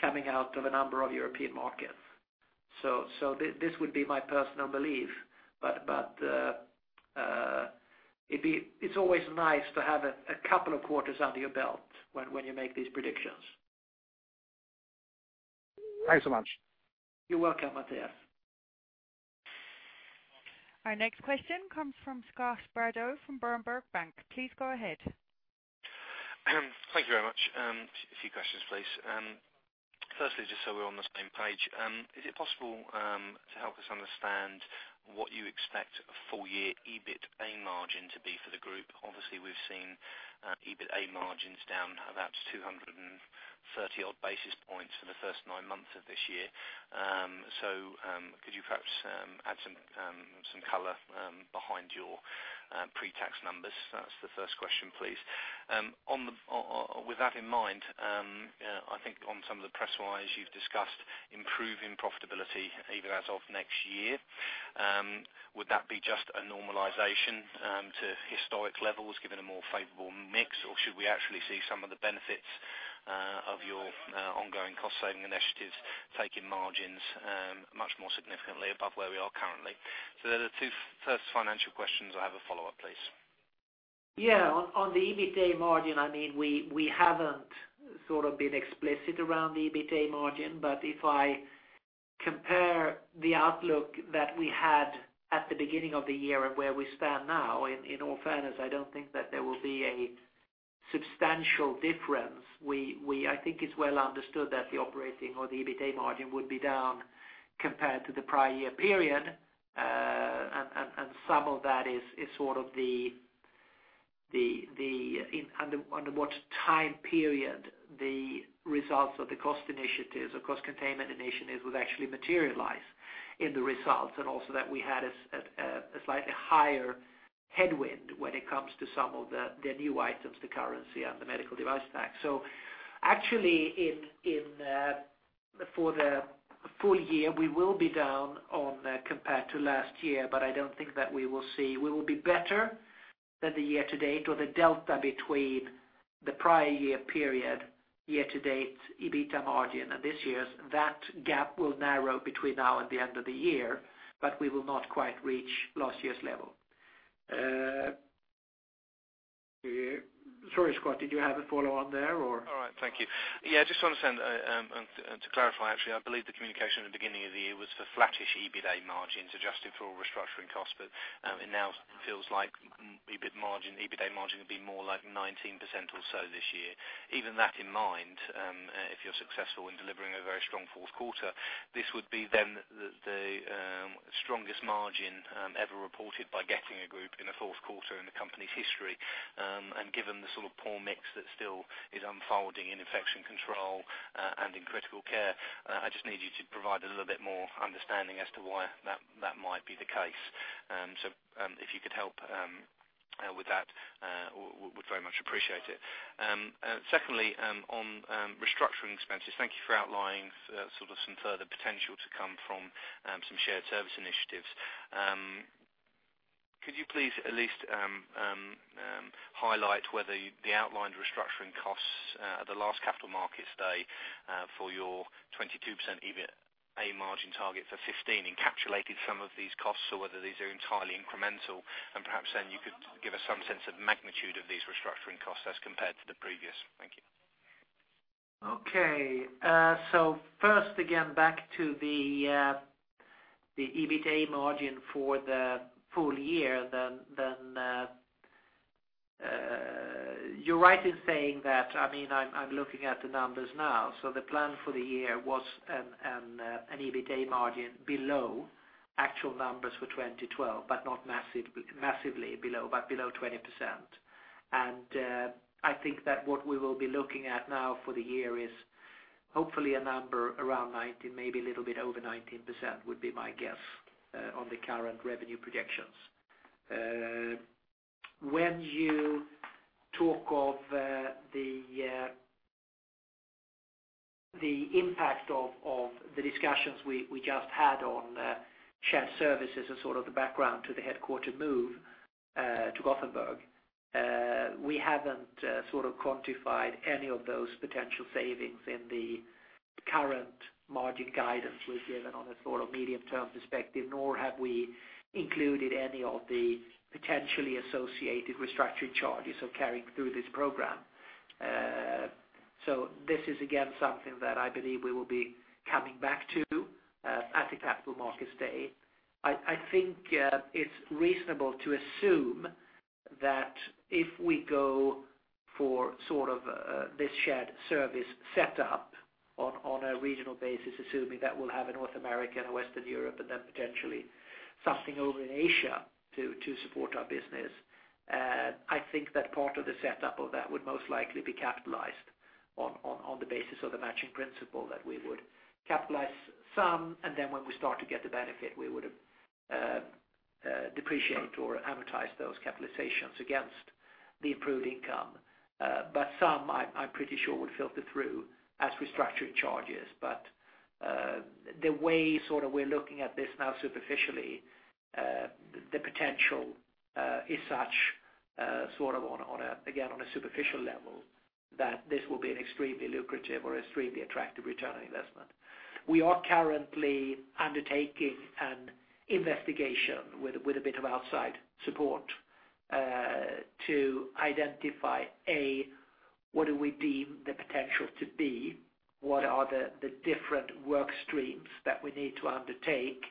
coming out of a number of European markets. So, this would be my personal belief, but it's always nice to have a couple of quarters under your belt when you make these predictions.
Thanks so much.
You're welcome, Matthias.
Our next question comes from Scott Sheridan from Trustmark Bank. Please go ahead.
Thank you very much. A few questions, please. Firstly, just so we're on the same page, is it possible to help us understand what you expect a full year EBITA margin to be for the group? Obviously, we've seen EBITA margins down about 230 basis points for the first nine months of this year. So, could you perhaps add some color behind your pre-tax numbers? That's the first question, please. With that in mind, I think on some of the press-wise, you've discussed improving profitability even as of next year. Would that be just a normalization to historic levels, given a more favorable mix, or should we actually see some of the benefits-... of your ongoing cost saving initiatives, taking margins much more significantly above where we are currently. So they're the two first financial questions. I have a follow-up, please.
Yeah, on the EBITA margin, I mean, we haven't sort of been explicit around the EBITA margin, but if I compare the outlook that we had at the beginning of the year and where we stand now, in all fairness, I don't think that there will be a substantial difference. We—I think it's well understood that the operating or the EBITA margin would be down compared to the prior year period. And some of that is sort of the timing under what time period the results of the cost initiatives or cost containment initiatives would actually materialize in the results, and also that we had a slightly higher headwind when it comes to some of the new items, the currency and the medical device tax. So actually, for the full year, we will be down on, compared to last year, but I don't think that we will see... We will be better than the year to date, or the delta between the prior year period, year to date, EBITA margin, and this year's, that gap will narrow between now and the end of the year, but we will not quite reach last year's level. Sorry, Scott, did you have a follow on there or?
All right, thank you. Yeah, I just want to understand, and to clarify, actually, I believe the communication at the beginning of the year was for flattish EBITA margins, adjusted for all restructuring costs, but it now feels like EBIT margin, EBITA margin, would be more like 19% or so this year. Even that in mind, if you're successful in delivering a very strong fourth quarter, this would be then the, the strongest margin, ever reported by Getinge Group in a fourth quarter in the company's history. And given the sort of poor mix that still is unfolding in Infection Control, and in Critical Care, I just need you to provide a little bit more understanding as to why that, that might be the case. So, if you could help with that, we'd very much appreciate it. Secondly, on restructuring expenses, thank you for outlining sort of some further potential to come from some shared service initiatives. Could you please at least highlight whether the outlined restructuring costs at the last Capital Markets Day for your 22% EBITA margin target for 2015 encapsulated some of these costs, or whether these are entirely incremental? Perhaps then you could give us some sense of magnitude of these restructuring costs as compared to the previous. Thank you.
Okay, so first, again, back to the, the EBITA margin for the full year, then you're right in saying that, I mean, I'm looking at the numbers now. So the plan for the year was an EBITA margin below actual numbers for 2012, but not massive, massively below, but below 20%. And I think that what we will be looking at now for the year is hopefully a number around 19, maybe a little bit over 19% would be my guess, on the current revenue projections. When you talk of the impact of the discussions we just had on shared services and sort of the background to the headquarter move to Gothenburg, we haven't sort of quantified any of those potential savings in the current margin guidance we've given on a sort of medium-term perspective, nor have we included any of the potentially associated restructuring charges of carrying through this program. So this is, again, something that I believe we will be coming back to at the Capital Markets Day. I, I think, it's reasonable to assume that if we go for sort of, this shared service set up on, on a regional basis, assuming that we'll have in North America and Western Europe, and then potentially something over in Asia to, to support our business, I think that part of the setup of that would most likely be capitalized on, on, on the basis of the matching principle, that we would capitalize some, and then when we start to get the benefit, we would, depreciate or amortize those capitalizations against the improved income. But some, I'm, I'm pretty sure, would filter through as restructuring charges. But, the way sort of we're looking at this now, superficially, the potential, is such, sort of on a, on a, again, on a superficial level, that this will be an extremely lucrative or extremely attractive return on investment. We are currently undertaking an investigation with, with a bit of outside support, to identify, A, what do we deem the potential to be? What are the, the different work streams that we need to undertake?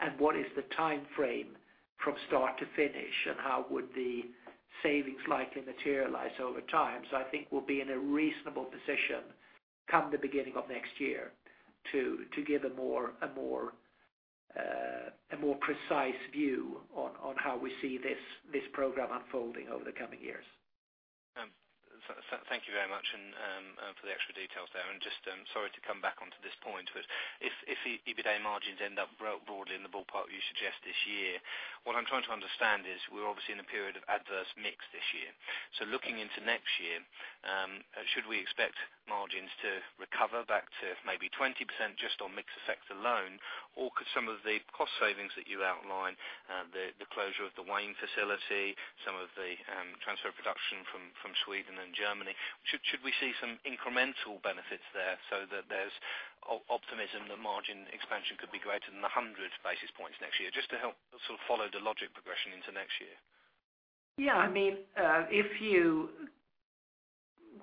And what is the timeframe from start to finish, and how would the savings likely materialize over time? So I think we'll be in a reasonable position, come the beginning of next year, to, to give a more, a more, a more precise view on, on how we see this, this program unfolding over the coming years.
So thank you very much and for the extra details there. And just sorry to come back onto this point, but if the EBITA margins end up broadly in the ballpark you suggest this year, what I'm trying to understand is we're obviously in a period of adverse mix this year. So looking into next year, should we expect margins to recover back to maybe 20% just on mix effect alone? Or could some of the cost savings that you outlined, the closure of the Wayne facility, some of the transfer of production from Sweden and Germany, should we see some incremental benefits there so that there's optimism that margin expansion could be greater than the 100 basis points next year? Just to help sort of follow the logic progression into next year.
Yeah, I mean, if you--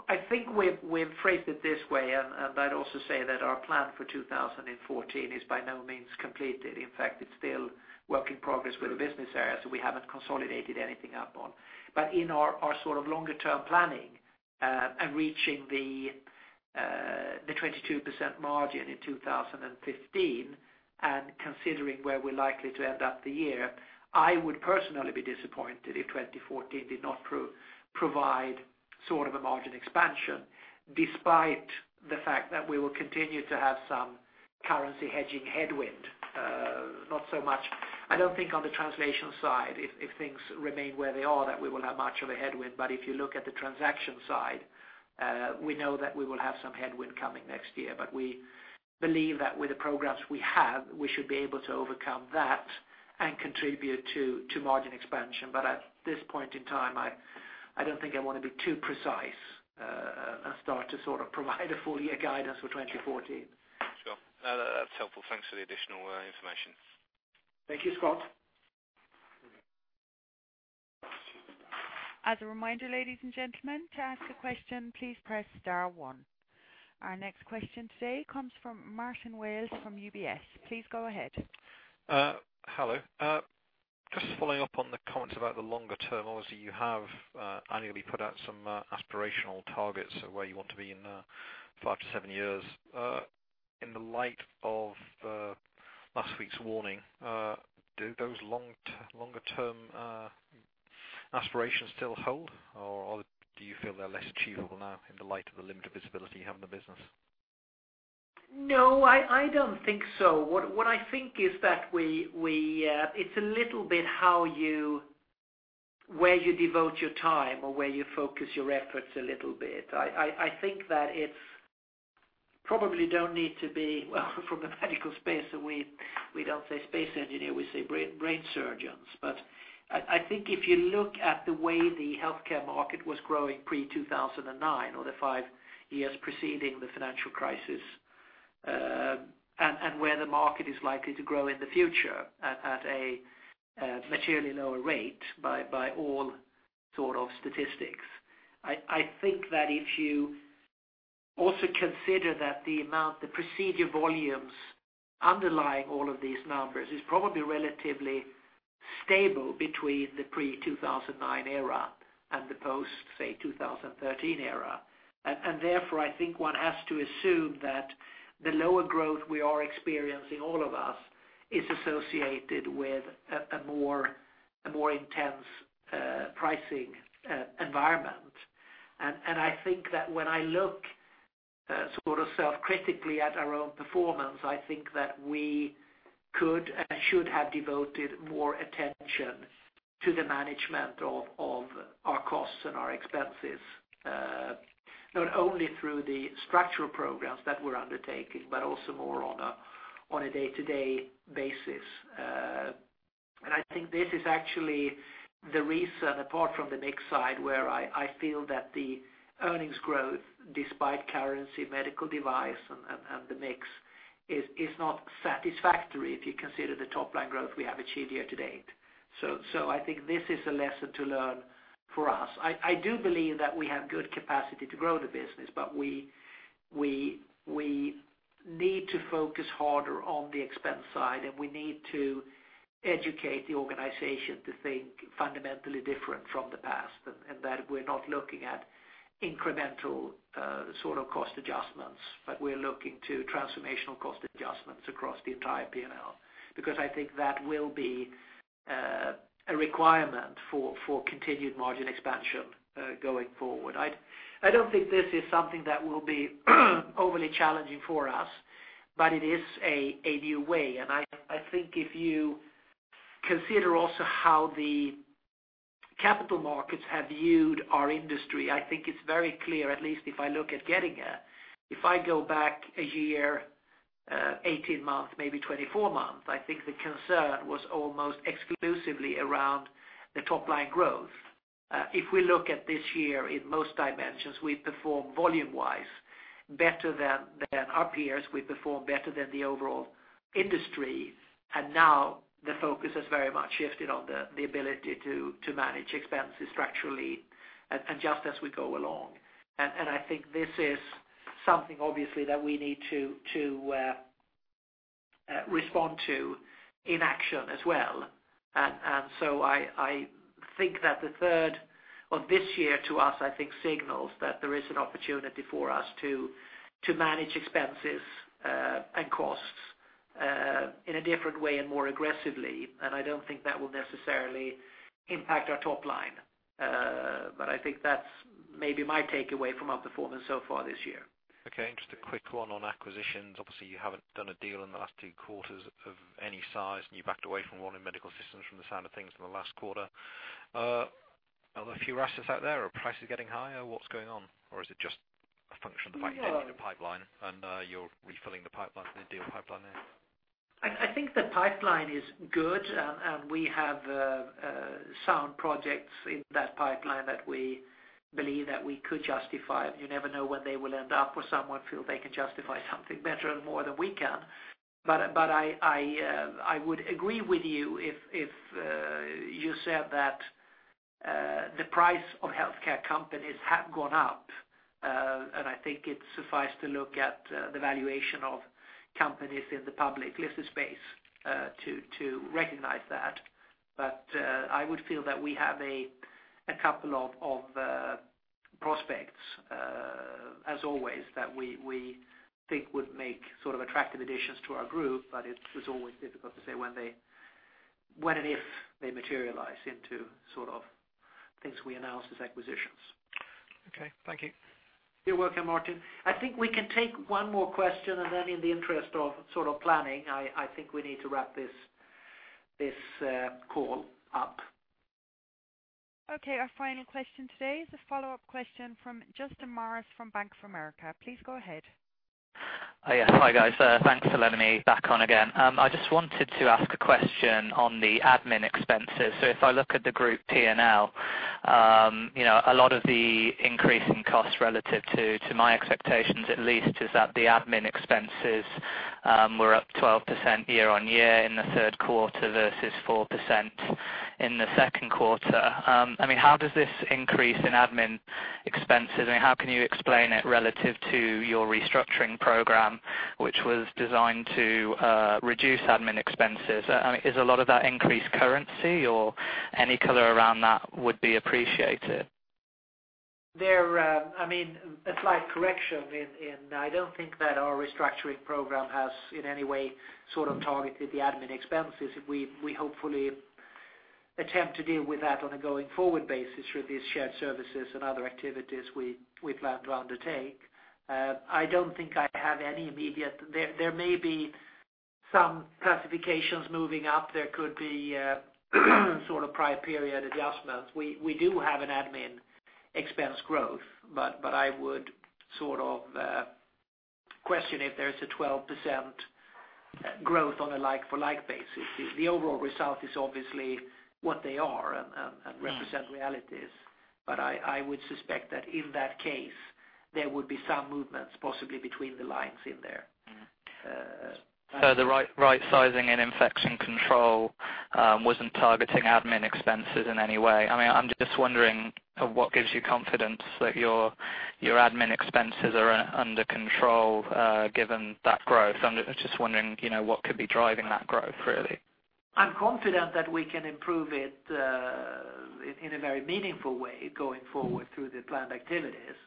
I think we've phrased it this way, and I'd also say that our plan for 2014 is by no means completed. In fact, it's still work in progress with the business areas, so we haven't consolidated anything up on. But in our sort of longer term planning, and reaching the 22% margin in 2015, and considering where we're likely to end up the year, I would personally be disappointed if 2014 did not provide sort of a margin expansion, despite the fact that we will continue to have some currency hedging headwind. Not so much, I don't think on the translation side, if things remain where they are, that we will have much of a headwind. But if you look at the transaction side, we know that we will have some headwind coming next year. But we believe that with the programs we have, we should be able to overcome that and contribute to margin expansion. But at this point in time, I don't think I want to be too precise, and start to sort of provide a full year guidance for 2014.
Sure. That's helpful. Thanks for the additional information.
Thank you, Scott.
As a reminder, ladies and gentlemen, to ask a question, please press star one. Our next question today comes from Martin Wales from UBS. Please go ahead.
Hello. Just following up on the comments about the longer term, obviously, you have annually put out some aspirational targets of where you want to be in 5 to 7 years. In the light of last week's warning, do those longer term aspirations still hold, or do you feel they're less achievable now in the light of the limited visibility you have in the business?
No, I don't think so. What I think is that it's a little bit how you where you devote your time or where you focus your efforts a little bit. I think that it's probably don't need to be. Well, from a medical space, we don't say space engineer, we say brain surgeons. But I think if you look at the way the healthcare market was growing pre-2009, or the 5 years preceding the financial crisis, and where the market is likely to grow in the future at a materially lower rate by all sort of statistics. I think that if you also consider that the amount, the procedure volumes underlying all of these numbers is probably relatively stable between the pre-2009 era and the post, say, 2013 era. Therefore, I think one has to assume that the lower growth we are experiencing, all of us, is associated with a more intense pricing environment. I think that when I look sort of self-critically at our own performance, I think that we could and should have devoted more attention to the management of our costs and our expenses, not only through the structural programs that we're undertaking, but also more on a day-to-day basis. I think this is actually the reason, apart from the mix side, where I feel that the earnings growth, despite currency, medical device, and the mix, is not satisfactory if you consider the top line growth we have achieved year to date. I think this is a lesson to learn for us. I do believe that we have good capacity to grow the business, but we need to focus harder on the expense side, and we need to educate the organization to think fundamentally different from the past, and that we're not looking at incremental, sort of cost adjustments, but we're looking to transformational cost adjustments across the entire P&L. Because I think that will be a requirement for continued margin expansion, going forward. I don't think this is something that will be overly challenging for us, but it is a new way. And I think if you consider also how the capital markets have viewed our industry, I think it's very clear, at least if I look at Getinge, if I go back a year, 18 months, maybe 24 months, I think the concern was almost exclusively around the top line growth. If we look at this year, in most dimensions, we performed volume-wise better than our peers. We performed better than the overall industry, and now the focus has very much shifted on the ability to manage expenses structurally and just as we go along. And I think this is something obviously that we need to respond to in action as well. So I think that the third of this year to us, I think, signals that there is an opportunity for us to manage expenses and costs in a different way and more aggressively. I don't think that will necessarily impact our top line. But I think that's maybe my takeaway from our performance so far this year.
Okay, just a quick one on acquisitions. Obviously, you haven't done a deal in the last two quarters of any size, and you backed away from one in Medical Systems from the sound of things in the last quarter. Are there fewer assets out there, or are prices getting higher? What's going on? Or is it just a function of the fact you need a pipeline and, you're refilling the pipeline, the deal pipeline there?
I think the pipeline is good, and we have sound projects in that pipeline that we believe that we could justify. You never know where they will end up, or someone feel they can justify something better and more than we can. I would agree with you if you said that the price of healthcare companies have gone up. And I think it's suffice to look at the valuation of companies in the public listed space to recognize that. I would feel that we have a couple of prospects as always that we think would make sort of attractive additions to our group, but it is always difficult to say when they when and if they materialize into sort of things we announce as acquisitions.
Okay, thank you.
You're welcome, Martin. I think we can take one more question, and then in the interest of sort of planning, I think we need to wrap this call up.
Okay, our final question today is a follow-up question from Justin Mars from Bank of America. Please go ahead.
Yes. Hi, guys. Thanks for letting me back on again. I just wanted to ask a question on the admin expenses. So if I look at the group P&L, you know, a lot of the increase in costs relative to, to my expectations at least, is that the admin expenses, were up 12% year-on-year in the third quarter versus 4% in the second quarter. I mean, how does this increase in admin expenses, I mean, how can you explain it relative to your restructuring program, which was designed to, reduce admin expenses? I mean, is a lot of that increased currency or any color around that would be appreciated.
I mean, a slight correction. I don't think that our restructuring program has, in any way, sort of targeted the admin expenses. We hopefully attempt to deal with that on a going-forward basis through these shared services and other activities we plan to undertake. I don't think I have any immediate. There may be some classifications moving up. There could be sort of prior period adjustments. We do have an admin expense growth, but I would sort of question if there's a 12% growth on a like-for-like basis. The overall result is obviously what they are and represent realities. But I would suspect that in that case, there would be some movements, possibly between the lines in there.
So the right-sizing and Infection Control wasn't targeting admin expenses in any way. I mean, I'm just wondering, what gives you confidence that your admin expenses are under control given that growth? I'm just wondering, you know, what could be driving that growth, really?
I'm confident that we can improve it in a very meaningful way going forward through the planned activities.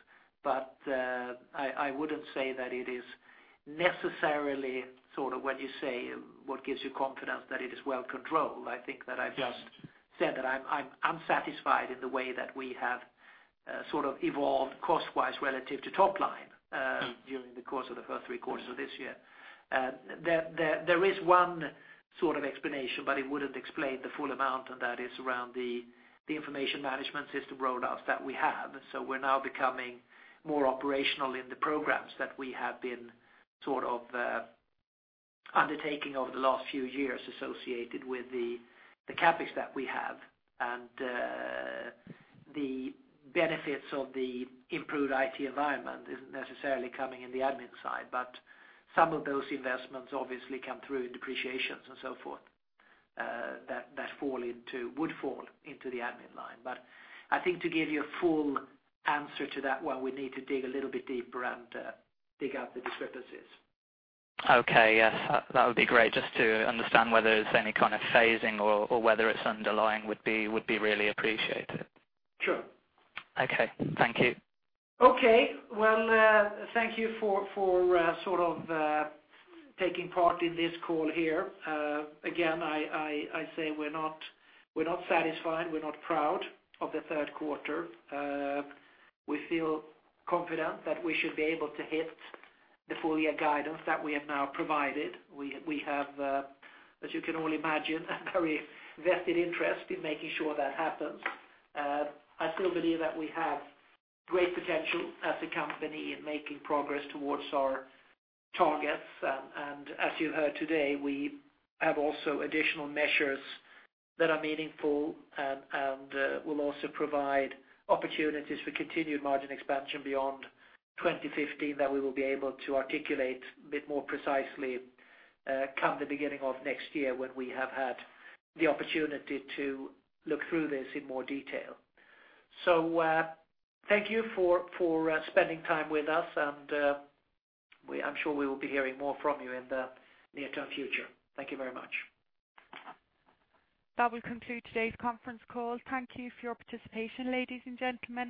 But I wouldn't say that it is necessarily sort of, when you say, what gives you confidence that it is well controlled? I think that I've just said that I'm unsatisfied in the way that we have sort of evolved cost-wise relative to top line during the course of the first three quarters of this year. There is one sort of explanation, but it wouldn't explain the full amount, and that is around the information management system rollouts that we have. So we're now becoming more operational in the programs that we have been sort of undertaking over the last few years, associated with the CapEx that we have. The benefits of the improved IT environment isn't necessarily coming in the admin side, but some of those investments obviously come through in depreciations and so forth, that would fall into the admin line. But I think to give you a full answer to that one, we need to dig a little bit deeper and dig out the discrepancies.
Okay, yes. That would be great. Just to understand whether there's any kind of phasing or whether it's underlying would be really appreciated.
Sure.
Okay. Thank you.
Okay, well, thank you for sort of taking part in this call here. Again, I say we're not, we're not satisfied, we're not proud of the third quarter. We feel confident that we should be able to hit the full year guidance that we have now provided. We have, as you can all imagine, a very vested interest in making sure that happens. I still believe that we have great potential as a company in making progress towards our targets. And as you heard today, we have also additional measures that are meaningful and will also provide opportunities for continued margin expansion beyond 2015, that we will be able to articulate a bit more precisely, come the beginning of next year, when we have had the opportunity to look through this in more detail. Thank you for spending time with us, and I'm sure we will be hearing more from you in the near-term future. Thank you very much.
That will conclude today's conference call. Thank you for your participation, ladies and gentlemen.